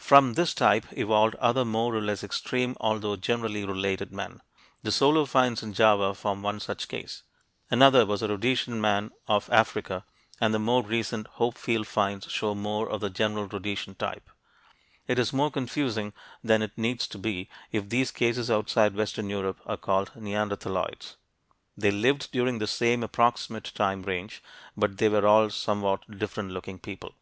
From this type evolved other more or less extreme although generally related men. The Solo finds in Java form one such case. Another was the Rhodesian man of Africa, and the more recent Hopefield finds show more of the general Rhodesian type. It is more confusing than it needs to be if these cases outside western Europe are called neanderthaloids. They lived during the same approximate time range but they were all somewhat different looking people.